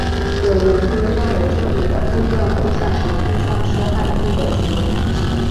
有研究认为这里的部分绘像实际上是汉字的雏形。